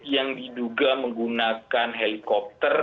yang diduga menggunakan helikopter